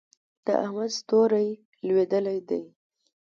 د احمد ستوری لوېدلی دی.